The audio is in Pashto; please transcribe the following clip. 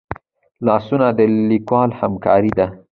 لاسونه د لیکوال همکار دي